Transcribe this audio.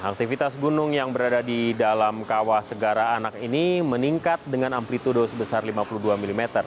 aktivitas gunung yang berada di dalam kawah segara anak ini meningkat dengan amplitudo sebesar lima puluh dua mm